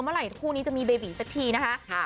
เมื่อไหคู่นี้จะมีเบบีสักทีนะคะ